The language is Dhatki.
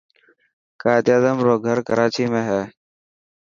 قائد اعظم رو گھر ڪراچي ۾ هي.